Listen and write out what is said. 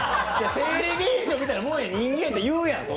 生理現象みたいなもんや、人間屋ったら、言うやん。